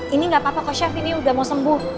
ini gak apa apa kok chef ini udah mau sembuh